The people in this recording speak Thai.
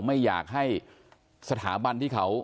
ไม่อยากให้สถาบันที่เขา